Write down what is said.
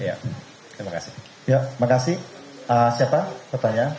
ya terima kasih siapa pertanyaan